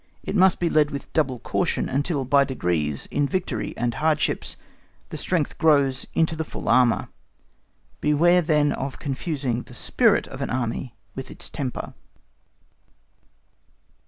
It must be led with double caution, until by degrees, in victory and hardships, the strength grows into the full armour. Beware then of confusing the SPIRIT of an Army with its temper.